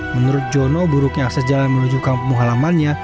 menurut jono buruknya akses jalan menuju kampung halamannya